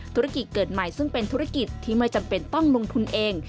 ธุรกิจเกิดใหม่ซึ่งเป็นธุรกิจที่ไม่จำเป็นต้องลงทุนเอง